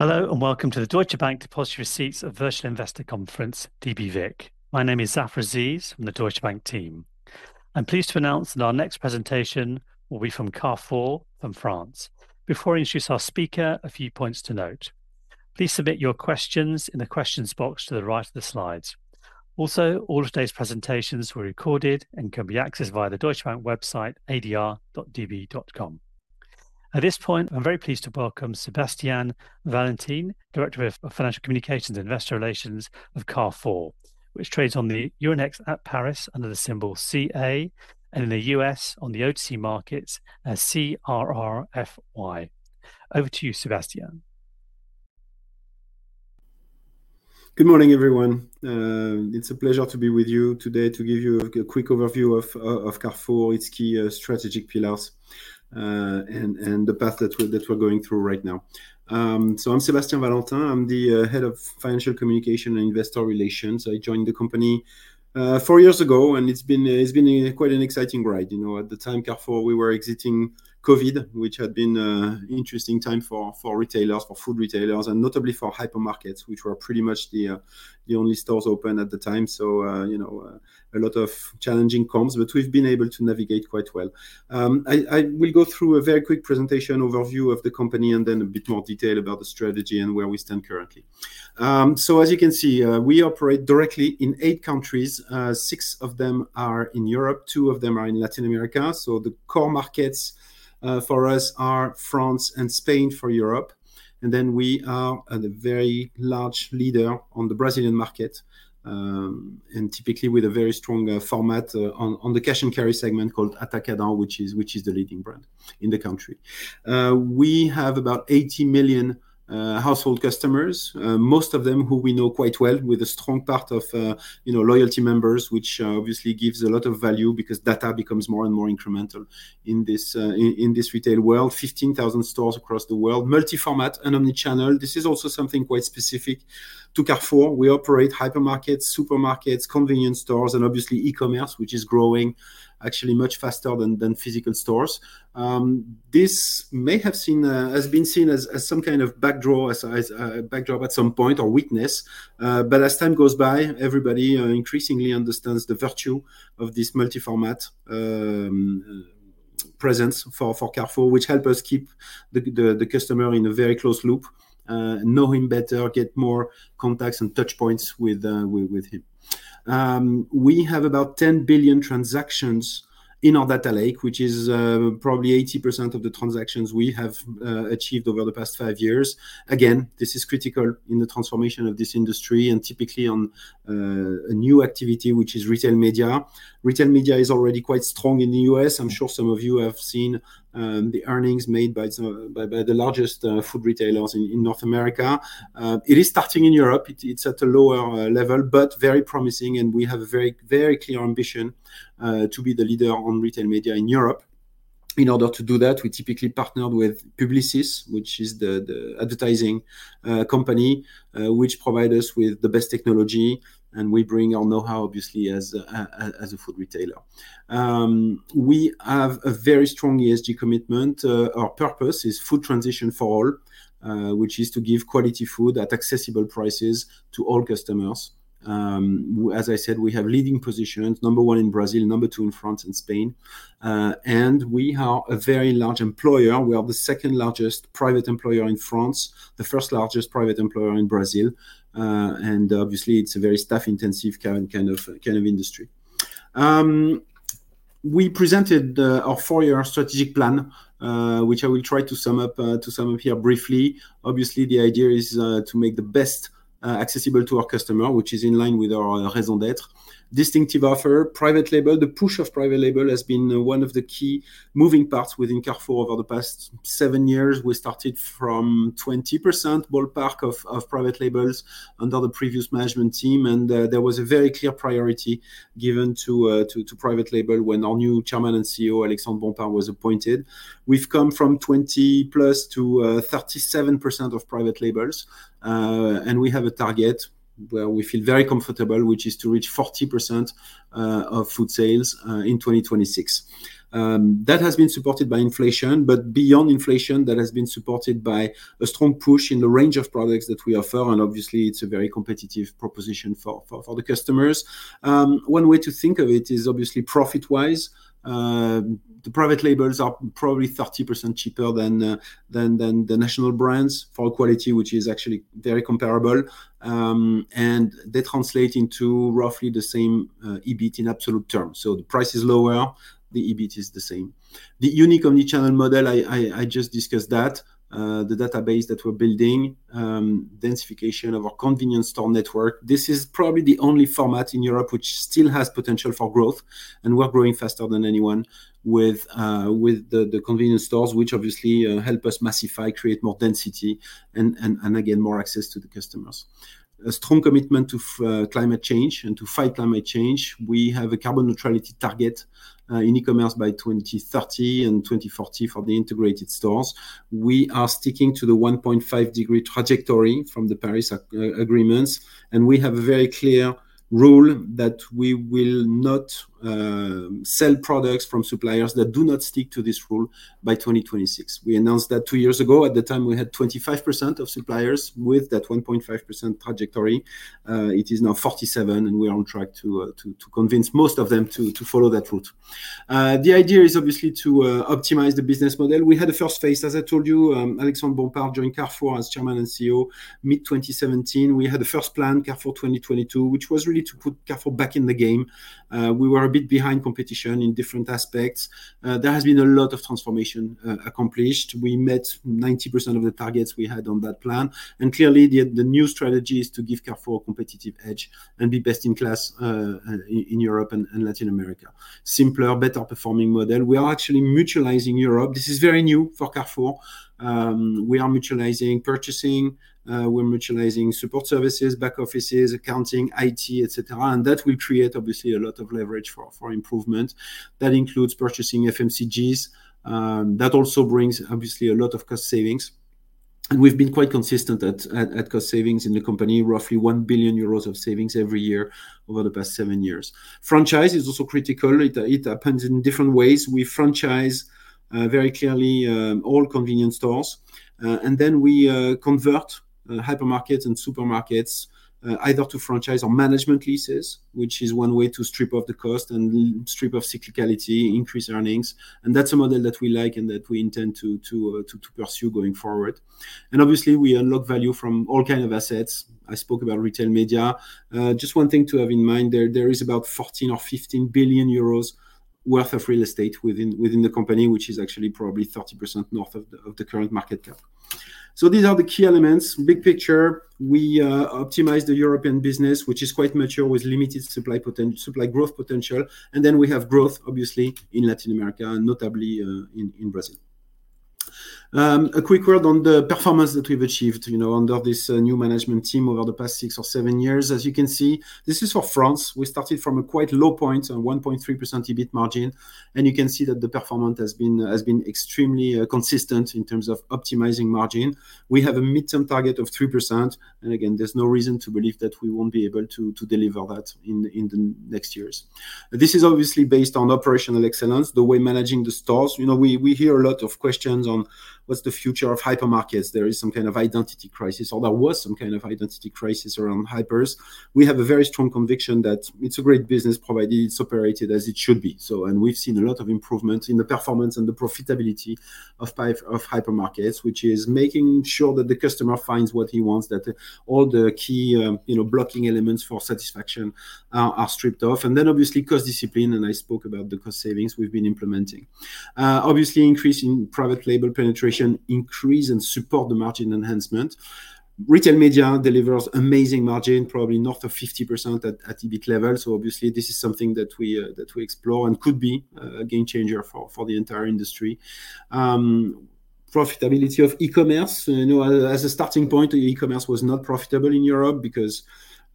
Hello, and welcome to the Deutsche Bank Depositary Receipts, a Virtual Investor Conference, DBVIC. My name is Zafar Aziz from the Deutsche Bank team. I'm pleased to announce that our next presentation will be from Carrefour from France. Before I introduce our speaker, a few points to note. Please submit your questions in the questions box to the right of the slides. Also, all of today's presentations were recorded and can be accessed via the Deutsche Bank website, adr.db.com. At this point, I'm very pleased to welcome Sébastien Valentin, Director of Financial Communications and Investor Relations of Carrefour, which trades on the Euronext at Paris under the symbol CA, and in the U.S. on the OTC Markets as CRRFY. Over to you, Sébastien. Good morning, everyone. It's a pleasure to be with you today to give you a quick overview of Carrefour, its key strategic pillars, and the path that we're going through right now. So I'm Sébastien Valentin. I'm the Head of Financial Communication and Investor Relations. I joined the company four years ago, and it's been quite an exciting ride. You know, at the time, Carrefour, we were exiting COVID, which had been an interesting time for retailers, for food retailers, and notably for hypermarkets, which were pretty much the only stores open at the time. So you know, a lot of challenges come, but we've been able to navigate quite well. I will go through a very quick presentation overview of the company and then a bit more detail about the strategy and where we stand currently, so as you can see, we operate directly in eight countries. Six of them are in Europe, two of them are in Latin America, so the core markets for us are France and Spain for Europe, and then we are a very large leader on the Brazilian market, and typically with a very strong format on the cash and carry segment called Atacadão, which is the leading brand in the country. We have about 80 million household customers, most of them who we know quite well, with a strong part of, you know, loyalty members, which obviously gives a lot of value because data becomes more and more incremental in this retail world. 15,000 stores across the world, multi-format and omnichannel. This is also something quite specific to Carrefour. We operate hypermarkets, supermarkets, convenience stores, and obviously, e-commerce, which is growing actually much faster than physical stores. This may have seen, has been seen as some kind of drawback, as a drawback at some point or weakness. But as time goes by, everybody increasingly understands the virtue of this multi-format presence for Carrefour, which help us keep the customer in a very closed loop, know him better, get more contacts and touch points with him. We have about 10 billion transactions in our data lake, which is probably 80% of the transactions we have achieved over the past five years. Again, this is critical in the transformation of this industry and typically on a new activity, which is retail media. Retail media is already quite strong in the U.S. I'm sure some of you have seen the earnings made by some of the largest food retailers in North America. It is starting in Europe. It's at a lower level, but very promising, and we have a very clear ambition to be the leader on retail media in Europe. In order to do that, we typically partnered with Publicis, which is the advertising company which provide us with the best technology, and we bring our know-how, obviously, as a food retailer. We have a very strong ESG commitment. Our purpose is food transition for all, which is to give quality food at accessible prices to all customers. As I said, we have leading positions, number one in Brazil, number two in France and Spain, and we are a very large employer. We are the second-largest private employer in France, the first-largest private employer in Brazil, and obviously, it's a very staff-intensive kind of industry. We presented our four-year strategic plan, which I will try to sum up here briefly. Obviously, the idea is to make the best accessible to our customer, which is in line with our raison d'être. Distinctive offer, private label. The push of private label has been one of the key moving parts within Carrefour over the past seven years. We started from 20% ballpark of private labels under the previous management team, and there was a very clear priority given to private label when our new Chairman and CEO, Alexandre Bompard, was appointed. We've come from 20+ to 37% of private labels, and we have a target where we feel very comfortable, which is to reach 40% of food sales in 2026. That has been supported by inflation, but beyond inflation, that has been supported by a strong push in the range of products that we offer, and obviously, it's a very competitive proposition for the customers. One way to think of it is obviously profit-wise. The private labels are probably 30% cheaper than the national brands for quality, which is actually very comparable, and they translate into roughly the same EBIT in absolute terms. So the price is lower, the EBIT is the same. The unique omnichannel model, I just discussed that, the database that we're building, densification of our convenience store network. This is probably the only format in Europe which still has potential for growth, and we're growing faster than anyone with the convenience stores, which obviously help us massify, create more density, and again, more access to the customers. A strong commitment to climate change and to fight climate change. We have a carbon neutrality target in e-commerce by 2030 and 2040 for the integrated stores. We are sticking to the 1.5-degree trajectory from the Paris Agreement, and we have a very clear rule that we will not sell products from suppliers that do not stick to this rule by 2026. We announced that two years ago. At the time, we had 25% of suppliers with that 1.5% trajectory. It is now forty-seven, and we are on track to convince most of them to follow that route. The idea is obviously to optimize the business model. We had a first phase, as I told you, Alexandre Bompard joined Carrefour as Chairman and CEO mid-2017. We had a first plan, Carrefour 2022, which was really to put Carrefour back in the game. We were a bit behind competition in different aspects. There has been a lot of transformation accomplished. We met 90% of the targets we had on that plan, and clearly, the new strategy is to give Carrefour a competitive edge and be best-in-class in Europe and Latin America. Simpler, better-performing model. We are actually mutualizing Europe. This is very new for Carrefour. We are mutualizing purchasing, we're mutualizing support services, back offices, accounting, IT, et cetera, and that will create obviously a lot of leverage for improvement. That includes purchasing FMCGs. That also brings obviously a lot of cost savings, and we've been quite consistent at cost savings in the company, roughly 1 billion euros of savings every year over the past seven years. Franchise is also critical. It happens in different ways. We franchise very clearly all convenience stores, and then we convert hypermarkets and supermarkets either to franchise or management leases, which is one way to strip off the cost and strip off cyclicality, increase earnings. And that's a model that we like and that we intend to pursue going forward. And obviously, we unlock value from all kind of assets. I spoke about retail media. Just one thing to have in mind there, there is about 14 billion-15 billion euros worth of real estate within the company, which is actually probably 30% north of the current market cap. So these are the key elements. Big picture, we optimize the European business, which is quite mature, with limited supply growth potential, and then we have growth, obviously, in Latin America and notably in Brazil. A quick word on the performance that we've achieved, you know, under this new management team over the past six or seven years. As you can see, this is for France. We started from a quite low point, a 1.3% EBIT margin, and you can see that the performance has been extremely consistent in terms of optimizing margin. We have a midterm target of 3%, and again, there's no reason to believe that we won't be able to deliver that in the next years. This is obviously based on operational excellence, the way managing the stores. You know, we hear a lot of questions on: What's the future of hypermarkets? There is some kind of identity crisis, or there was some kind of identity crisis around hypers. We have a very strong conviction that it's a great business, provided it's operated as it should be. So, and we've seen a lot of improvements in the performance and the profitability of our hypermarkets, which is making sure that the customer finds what he wants, that all the key, you know, blocking elements for satisfaction are stripped off. And then, obviously, cost discipline, and I spoke about the cost savings we've been implementing. Obviously, increase in private label penetration increase and support the margin enhancement. Retail media delivers amazing margin, probably north of 50% at EBIT level, so obviously this is something that we that we explore and could be a game changer for the entire industry. Profitability of e-commerce, you know, as a starting point, e-commerce was not profitable in Europe because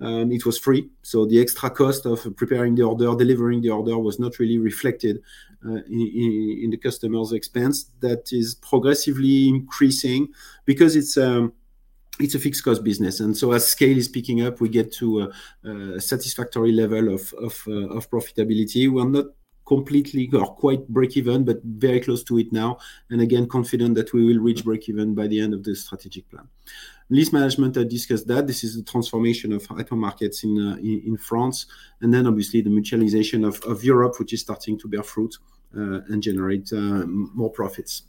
it was free. So the extra cost of preparing the order or delivering the order was not really reflected in the customer's expense. That is progressively increasing because it's a fixed cost business, and so as scale is picking up, we get to a satisfactory level of profitability. We're not completely or quite breakeven, but very close to it now, and again, confident that we will reach breakeven by the end of this strategic plan. Lease management, I discussed that. This is a transformation of hypermarkets in France, and then obviously the mutualization of Europe, which is starting to bear fruit, and generate more profits.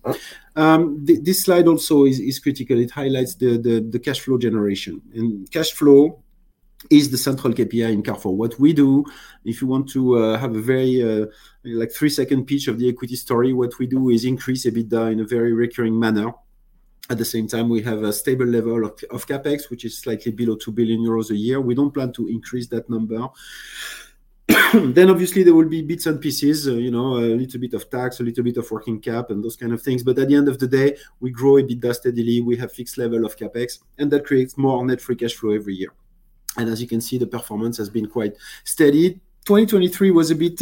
This slide also is critical. It highlights the cash flow generation. Cash flow is the central KPI in Carrefour. What we do, if you want to have a very, like, three-second pitch of the equity story, what we do is increase EBITDA in a very recurring manner. At the same time, we have a stable level of CapEx, which is slightly below 2 billion euros a year. We don't plan to increase that number. Then obviously, there will be bits and pieces, you know, a little bit of tax, a little bit of working cap and those kind of things. But at the end of the day, we grow EBITDA steadily. We have fixed level of CapEx, and that creates more net free cash flow every year. And as you can see, the performance has been quite steady. 2023 was a bit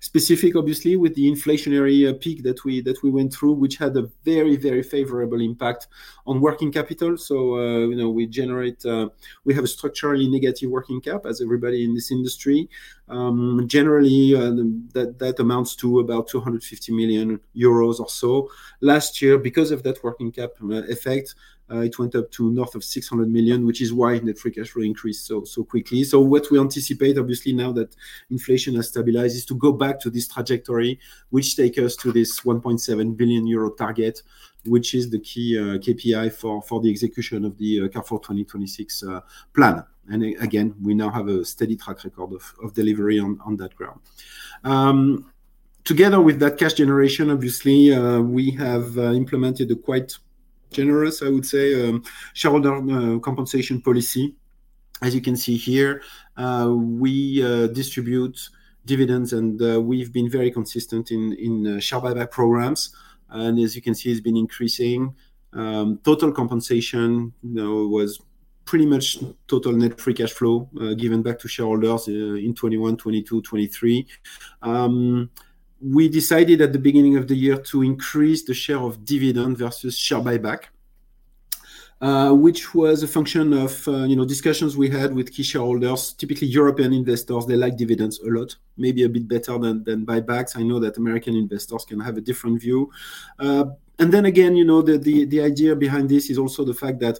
specific, obviously, with the inflationary peak that we went through, which had a very, very favorable impact on working capital. So, you know, we have a structurally negative working cap, as everybody in this industry. Generally, that amounts to about 250 million euros or so. Last year, because of that working capital effect, it went up to north of 600 million, which is why net free cash flow increased so quickly, so what we anticipate, obviously, now that inflation has stabilized, is to go back to this trajectory, which take us to this 1.7 billion euro target, which is the key KPI for the execution of the Carrefour 2026 plan. And again, we now have a steady track record of delivery on that ground. Together with that cash generation, obviously, we have implemented a quite generous, I would say, shareholder compensation policy. As you can see here, we distribute dividends, and we've been very consistent in share buyback programs, and as you can see, it's been increasing. Total compensation, you know, was pretty much total net free cash flow given back to shareholders in 2021, 2022, 2023. We decided at the beginning of the year to increase the share of dividend versus share buyback, which was a function of, you know, discussions we had with key shareholders. Typically, European investors, they like dividends a lot, maybe a bit better than buybacks. I know that American investors can have a different view. And then again, you know, the idea behind this is also the fact that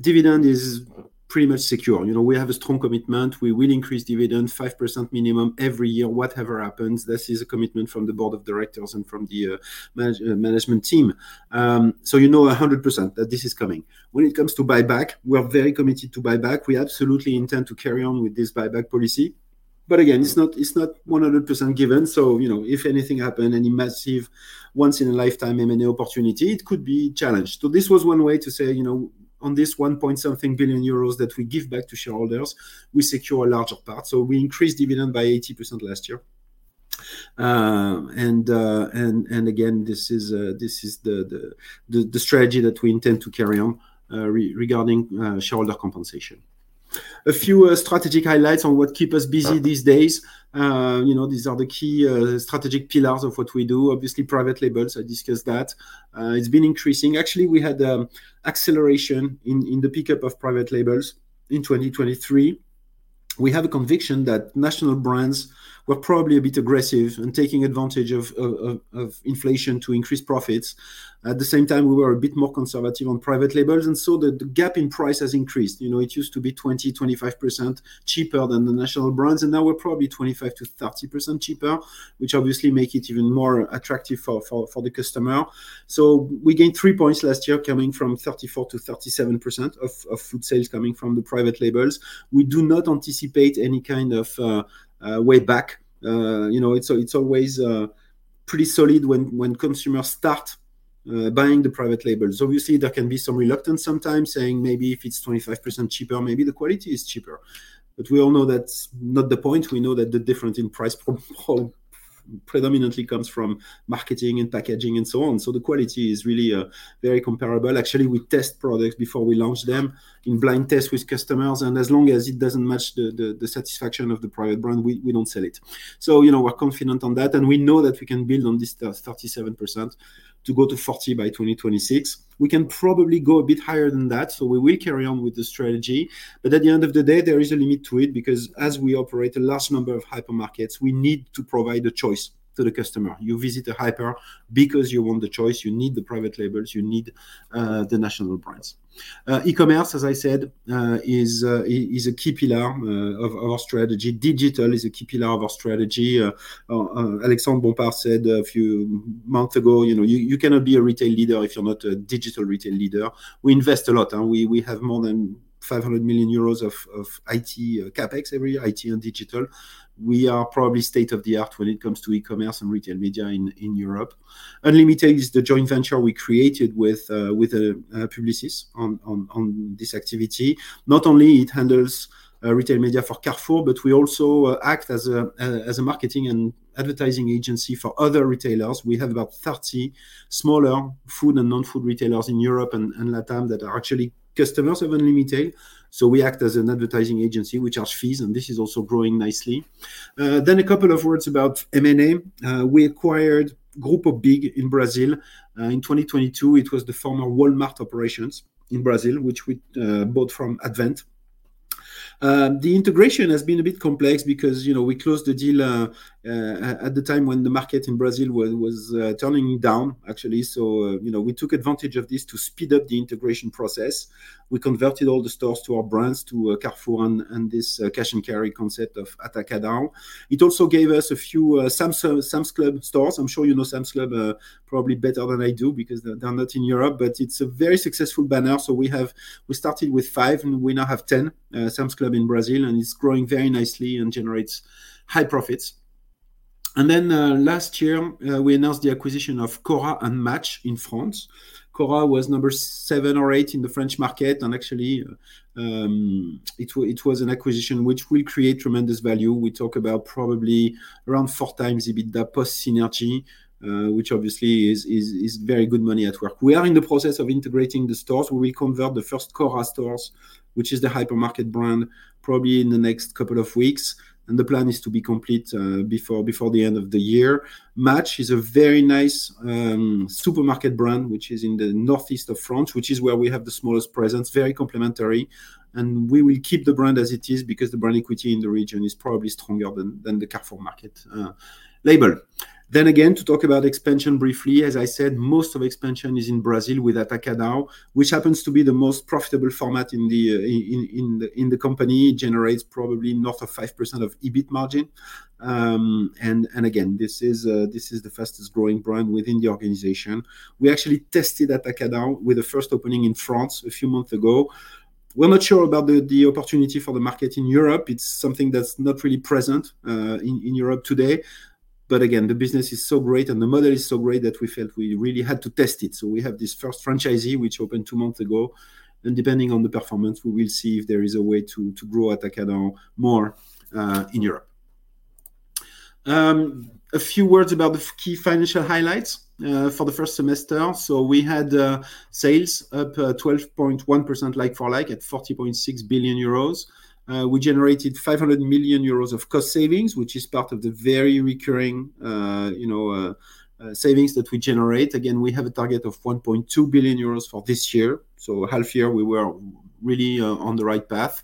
dividend is pretty much secure. You know, we have a strong commitment. We will increase dividend 5% minimum every year, whatever happens. This is a commitment from the Board of Directors and from the management team. So you know 100% that this is coming. When it comes to buyback, we are very committed to buyback. We absolutely intend to carry on with this buyback policy, but again, it's not 100% given. So, you know, if anything happen, any massive once-in-a-lifetime M&A opportunity, it could be challenged. So this was one way to say, you know, on this one-point-something billion euros that we give back to shareholders, we secure a larger part. So we increased dividend by 80% last year. And again, this is the strategy that we intend to carry on regarding shareholder compensation. A few strategic highlights on what keep us busy these days. You know, these are the key strategic pillars of what we do. Obviously, private labels, I discussed that. It's been increasing. Actually, we had acceleration in the pickup of private labels in 2023. We have a conviction that national brands were probably a bit aggressive in taking advantage of inflation to increase profits. At the same time, we were a bit more conservative on private labels, and so the gap in price has increased. You know, it used to be 20%-25% cheaper than the national brands, and now we're probably 25%-30% cheaper, which obviously make it even more attractive for the customer. So we gained three points last year, coming from 34%-37% of food sales coming from the private labels. We do not anticipate any kind of way back. You know, it's always pretty solid when consumers start buying the private labels. Obviously, there can be some reluctance sometimes, saying maybe if it's 25% cheaper, maybe the quality is cheaper. But we all know that's not the point. We know that the difference in price predominantly comes from marketing and packaging and so on. So the quality is really very comparable. Actually, we test products before we launch them in blind tests with customers, and as long as it doesn't match the satisfaction of the private brand, we don't sell it. So, you know, we're confident on that, and we know that we can build on this 37% to go to 40% by 2026. We can probably go a bit higher than that, so we will carry on with the strategy. But at the end of the day, there is a limit to it because as we operate a large number of hypermarkets, we need to provide a choice to the customer. You visit a hyper because you want the choice. You need the private labels, you need the national brands. E-commerce, as I said, is a key pillar of our strategy. Digital is a key pillar of our strategy. Alexandre Bompard said a few months ago, "You know, you cannot be a retail leader if you're not a digital retail leader." We invest a lot, and we have more than 500 million euros of IT CapEx every year, IT and digital. We are probably state-of-the-art when it comes to e-commerce and retail media in Europe. Unlimitail is the joint venture we created with Publicis on this activity. Not only it handles retail media for Carrefour, but we also act as a marketing and advertising agency for other retailers. We have about 30 smaller food and non-food retailers in Europe and Latam that are actually customers of Unlimitail. So we act as an advertising agency. We charge fees, and this is also growing nicely. Then a couple of words about M&A. We acquired Grupo BIG in Brazil in 2022. It was the former Walmart operations in Brazil, which we bought from Advent. The integration has been a bit complex because, you know, we closed the deal at the time when the market in Brazil was turning down, actually. So, you know, we took advantage of this to speed up the integration process. We converted all the stores to our brands, to Carrefour and this cash-and-carry concept of Atacadão. It also gave us a few Sam's Club stores. I'm sure you know Sam's Club, probably better than I do because they're not in Europe, but it's a very successful banner. So we have. We started with five, and we now have 10 Sam's Club in Brazil, and it's growing very nicely and generates high profits. And then, last year, we announced the acquisition of Cora and Match in France. Cora was number seven or eight in the French market, and actually, it was an acquisition which will create tremendous value. We talk about probably around four times EBITDA post synergy, which obviously is very good money at work. We are in the process of integrating the stores. We will convert the first Cora stores, which is the hypermarket brand, probably in the next couple of weeks, and the plan is to be complete before the end of the year. Match is a very nice supermarket brand, which is in the northeast of France, which is where we have the smallest presence, very complementary, and we will keep the brand as it is because the brand equity in the region is probably stronger than the Carrefour Market label. Then again, to talk about expansion briefly, as I said, most of expansion is in Brazil with Atacadão, which happens to be the most profitable format in the company. It generates probably north of 5% of EBIT margin. And again, this is the fastest-growing brand within the organization. We actually tested Atacadão with the first opening in France a few months ago. We're not sure about the opportunity for the market in Europe. It's something that's not really present in Europe today. But again, the business is so great and the model is so great that we felt we really had to test it. So we have this first franchisee, which opened two months ago, and depending on the performance, we will see if there is a way to grow Atacadão more in Europe. A few words about the key financial highlights for the first semester. So we had sales up 12.1% like-for-like, at 40.6 billion euros. We generated 500 million euros of cost savings, which is part of the very recurring you know savings that we generate. Again, we have a target of 1.2 billion euros for this year, so half year, we were really on the right path.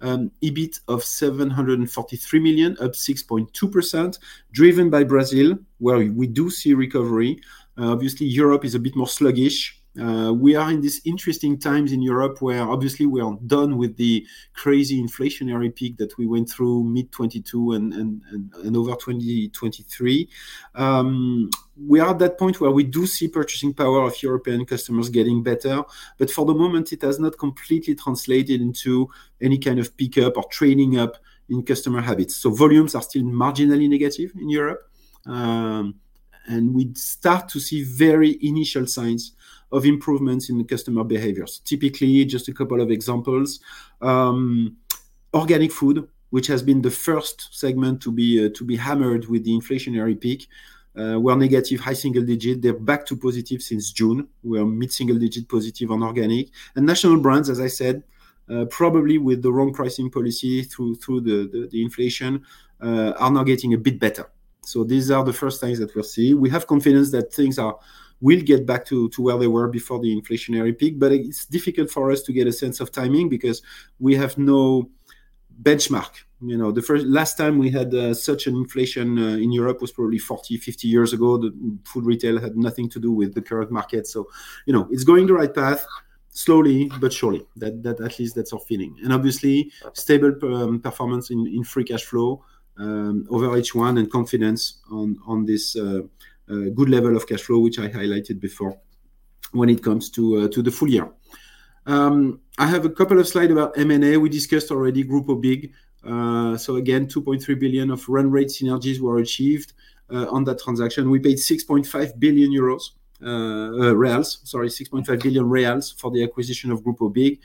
EBIT of 743 million, up 6.2%, driven by Brazil, where we do see recovery. Obviously, Europe is a bit more sluggish. We are in these interesting times in Europe, where obviously we are done with the crazy inflationary peak that we went through mid 2022 and over 2023. We are at that point where we do see purchasing power of European customers getting better, but for the moment, it has not completely translated into any kind of pickup or trading up in customer habits, so volumes are still marginally negative in Europe, and we start to see very initial signs of improvements in the customer behaviors. Typically, just a couple of examples, organic food, which has been the first segment to be hammered with the inflationary peak, were negative high single digit. They are back to positive since June. We are mid-single digit positive on organic. National brands, as I said, probably with the wrong pricing policy through the inflation are now getting a bit better. These are the first things that we're seeing. We have confidence that things will get back to where they were before the inflationary peak. But it's difficult for us to get a sense of timing because we have no benchmark. You know, the last time we had such an inflation in Europe was probably forty, fifty years ago. The food retail had nothing to do with the current market. You know, it's going the right path, slowly but surely. At least that's our feeling. Obviously, stable performance in free cash flow over H1, and confidence on this good level of cash flow, which I highlighted before when it comes to the full year. I have a couple of slides about M&A. We discussed already Grupo BIG. So again, 2.3 billion of run rate synergies were achieved on that transaction. We paid 6.5 billion BRL for the acquisition of Grupo BIG.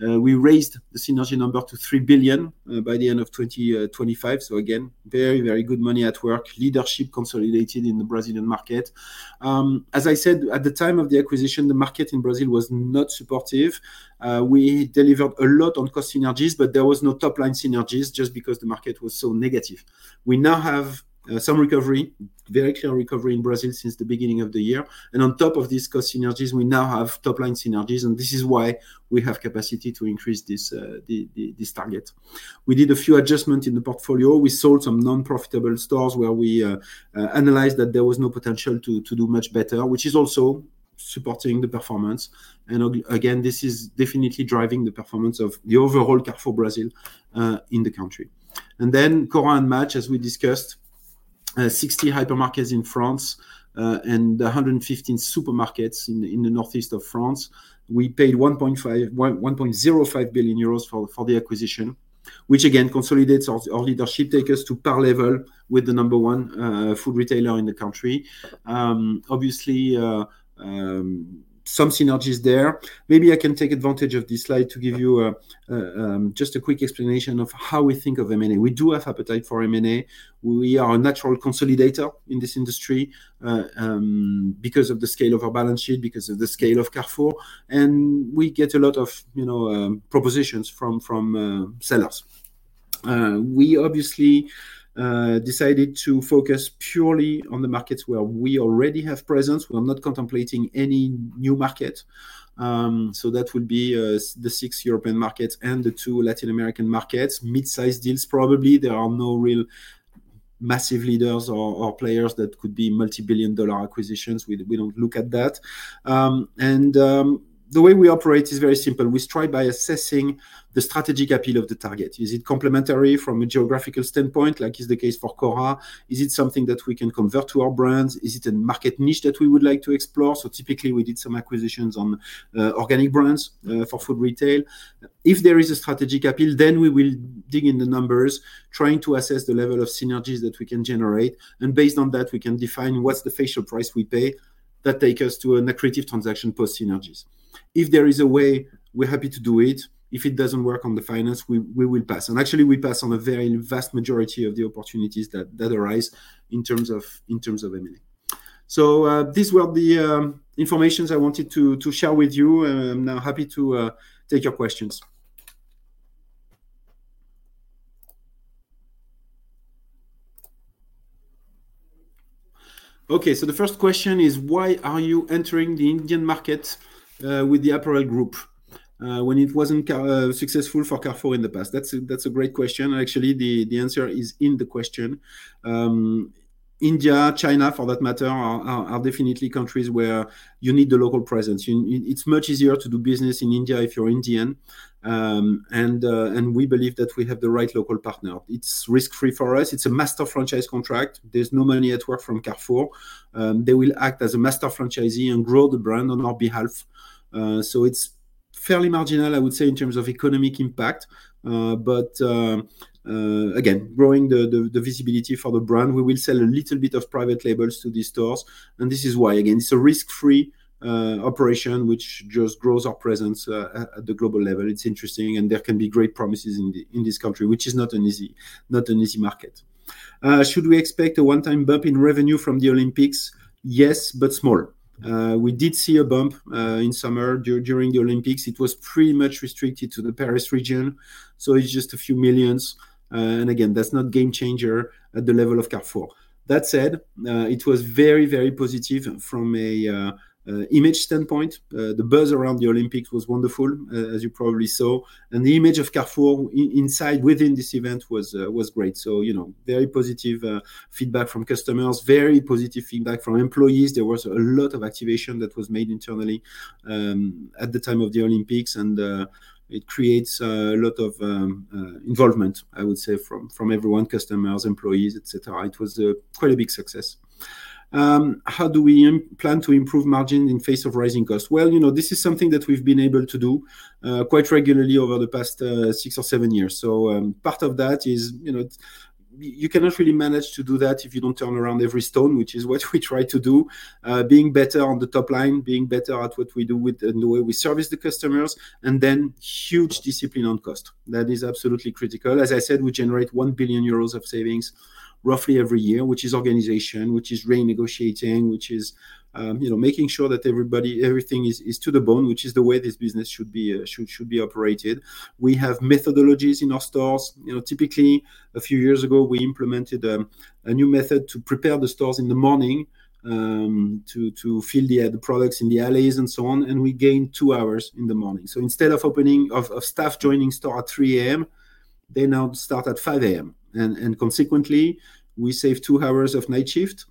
We raised the synergy number to 3 billion by the end of 2025. So again, very, very good money at work. Leadership consolidated in the Brazilian market. As I said, at the time of the acquisition, the market in Brazil was not supportive. We delivered a lot on cost synergies, but there was no top-line synergies just because the market was so negative. We now have some recovery, very clear recovery in Brazil since the beginning of the year, and on top of these cost synergies, we now have top-line synergies, and this is why we have capacity to increase this target. We did a few adjustments in the portfolio. We sold some non-profitable stores where we analyzed that there was no potential to do much better, which is also supporting the performance, and again, this is definitely driving the performance of the overall Carrefour Brazil in the country, and then Cora and Match, as we discussed, 60 hypermarkets in France, and 115 supermarkets in the northeast of France. We paid 1.05 billion euros for the acquisition, which again consolidates our leadership, take us to par level with the number one food retailer in the country. Obviously, some synergies there. Maybe I can take advantage of this slide to give you just a quick explanation of how we think of M&A. We do have appetite for M&A. We are a natural consolidator in this industry because of the scale of our balance sheet, because of the scale of Carrefour, and we get a lot of you know propositions from sellers. We obviously decided to focus purely on the markets where we already have presence. We are not contemplating any new market. So that would be the six European markets and the two Latin American markets. Mid-sized deals, probably. There are no real massive leaders or players that could be multi-billion dollar acquisitions. We don't look at that. The way we operate is very simple. We start by assessing the strategic appeal of the target. Is it complementary from a geographical standpoint, like is the case for Cora? Is it something that we can convert to our brands? Is it a market niche that we would like to explore? So typically, we did some acquisitions on organic brands for food retail. If there is a strategic appeal, then we will dig in the numbers, trying to assess the level of synergies that we can generate, and based on that, we can define what's the fair price we pay that take us to an accretive transaction post synergies. If there is a way, we're happy to do it. If it doesn't work on the finance, we will pass. And actually, we pass on a very vast majority of the opportunities that arise in terms of M&A. So, this were the informations I wanted to share with you, and I'm now happy to take your questions. Okay, so the first question is: "Why are you entering the Indian market with the Apparel Group when it wasn't successful for Carrefour in the past?" That's a great question. Actually, the answer is in the question. India, China, for that matter, are definitely countries where you need a local presence. It's much easier to do business in India if you're Indian. And we believe that we have the right local partner. It's risk-free for us. It's a master franchise contract. There's no money at work from Carrefour. They will act as a master franchisee and grow the brand on our behalf. So it's fairly marginal, I would say, in terms of economic impact, but again, growing the visibility for the brand. We will sell a little bit of private labels to these stores, and this is why, again, it's a risk-free operation which just grows our presence at the global level. It's interesting, and there can be great promises in this country, which is not an easy market. "Should we expect a one-time bump in revenue from the Olympics?" Yes, but small. We did see a bump in summer during the Olympics. It was pretty much restricted to the Paris region, so it's just a few millions. And again, that's not a game-changer at the level of Carrefour. That said, it was very, very positive from a image standpoint. The buzz around the Olympics was wonderful, as you probably saw, and the image of Carrefour inside within this event was great. So, you know, very positive feedback from customers, very positive feedback from employees. There was a lot of activation that was made internally at the time of the Olympics, and it creates a lot of involvement, I would say, from everyone, customers, employees, et cetera. It was quite a big success. How do we plan to improve margin in face of rising costs? Well, you know, this is something that we've been able to do quite regularly over the past six or seven years. So, part of that is, you know, you cannot really manage to do that if you don't turn around every stone, which is what we try to do. Being better on the top line, being better at what we do with... and the way we service the customers, and then huge discipline on cost. That is absolutely critical. As I said, we generate one billion euros of savings roughly every year, which is organization, which is renegotiating, which is, you know, making sure that everybody, everything is to the bone, which is the way this business should be operated. We have methodologies in our stores. You know, typically, a few years ago, we implemented a new method to prepare the stores in the morning, to fill the products in the aisles and so on, and we gained two hours in the morning. So instead of staff joining store at 3:00 A.M., they now start at 5:00 A.M. Consequently, we save two hours of night shift,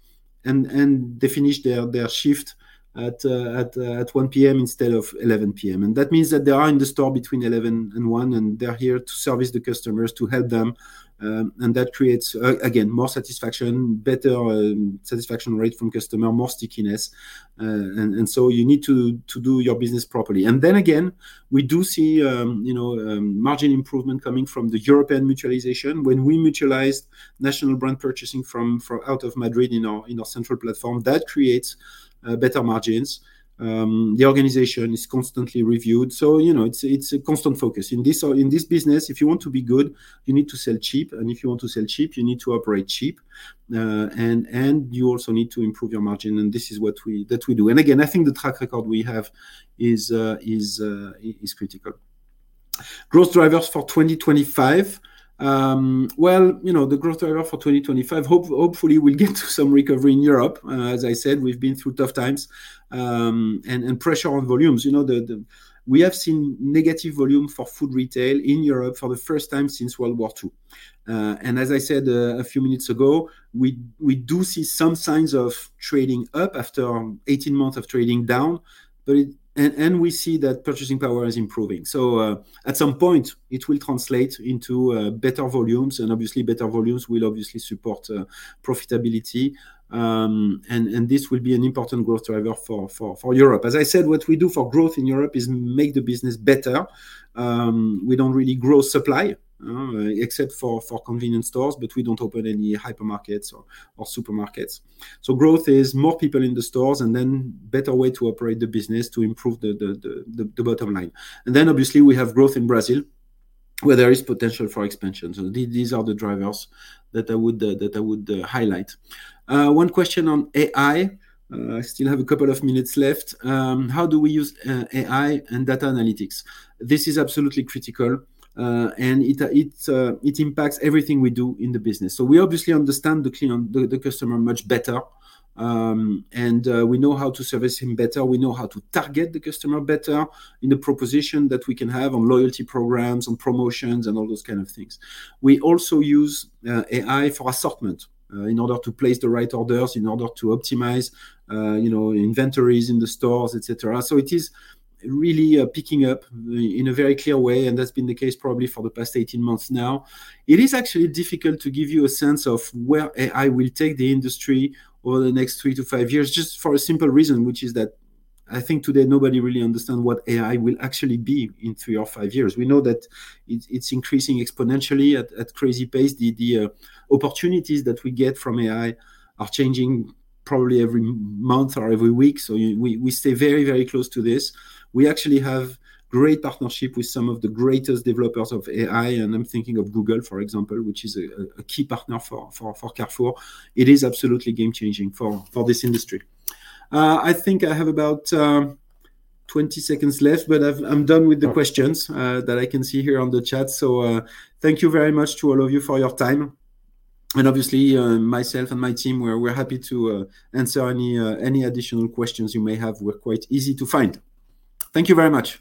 and they finish their shift at 1:00 P.M. instead of 11:00 P.M. That means that they are in the store between eleven and one, and they're here to service the customers, to help them. That creates, again, more satisfaction, better satisfaction rate from customer, more stickiness. And so you need to do your business properly. Then again, we do see, you know, margin improvement coming from the European mutualization. When we mutualized national brand purchasing from out of Madrid in our central platform, that creates better margins. The organization is constantly reviewed. So, you know, it's a constant focus. In this business, if you want to be good, you need to sell cheap, and if you want to sell cheap, you need to operate cheap. And you also need to improve your margin, and this is what we do. And again, I think the track record we have is critical. Growth drivers for 2025. Well, you know, the growth driver for 2025, hopefully, we'll get to some recovery in Europe. As I said, we've been through tough times, and pressure on volumes. You know, we have seen negative volume for food retail in Europe for the first time since World War II. And as I said, a few minutes ago, we do see some signs of trading up after 18 months of trading down, but and we see that purchasing power is improving. So, at some point, it will translate into better volumes, and obviously, better volumes will obviously support profitability. And this will be an important growth driver for Europe. As I said, what we do for growth in Europe is make the business better. We don't really grow supply, except for convenience stores, but we don't open any hypermarkets or supermarkets. So growth is more people in the stores and then better way to operate the business to improve the bottom line, and then obviously, we have growth in Brazil, where there is potential for expansion, so these are the drivers that I would highlight. One question on AI. I still have a couple of minutes left. How do we use AI and data analytics? This is absolutely critical, and it impacts everything we do in the business. So we obviously understand the customer much better, and we know how to service him better. We know how to target the customer better in the proposition that we can have on loyalty programs, on promotions, and all those kind of things. We also use AI for assortment, in order to place the right orders, in order to optimize, you know, inventories in the stores, et cetera. So it is really picking up in a very clear way, and that's been the case probably for the past eighteen months now. It is actually difficult to give you a sense of where AI will take the industry over the next three to five years, just for a simple reason, which is that I think today, nobody really understand what AI will actually be in three or five years. We know that it's increasing exponentially at a crazy pace. The opportunities that we get from AI are changing probably every month or every week, so we stay very close to this. We actually have great partnership with some of the greatest developers of AI, and I'm thinking of Google, for example, which is a key partner for Carrefour. It is absolutely game-changing for this industry. I think I have about twenty seconds left, but I'm done with the questions that I can see here on the chat. So thank you very much to all of you for your time. And obviously, myself and my team, we're happy to answer any additional questions you may have. We're quite easy to find. Thank you very much!